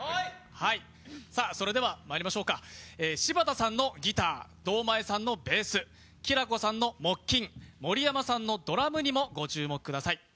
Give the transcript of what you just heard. それではまいりましょうか、柴田さんのギター堂前さんのベースきらこさんの木琴盛山さんのドラムにもご注目ください。